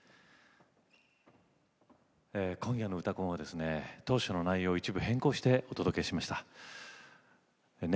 今夜の「うたコン」は当初の内容から一部変更してお届けしました。